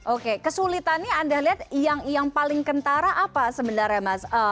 oke kesulitannya anda lihat yang paling kentara apa sebenarnya mas